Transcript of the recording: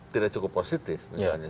tidak cukup positif misalnya